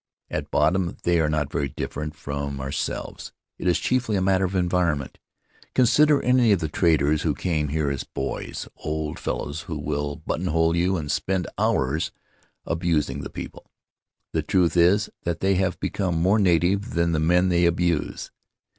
At bottom they are not very different from ourselves; it is chiefly a matter of environment. Con sider any of the traders who came here as boys — old fellows who will buttonhole you and spend hours abusing the people — the truth is that they have become more native than the men they abuse.